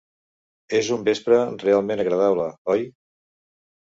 És un vespre realment agradable, oi?